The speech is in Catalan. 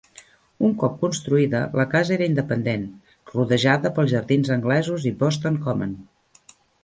Un cop construïda, la casa era independent, rodejada pels jardins anglesos i Boston Common.